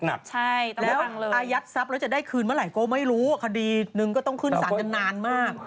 แล้วอายัดทรัพย์แล้วจะได้คืนเมื่อไหร่ก็ไม่รู้คดีหนึ่งก็ต้องขึ้นสารกันนานมาก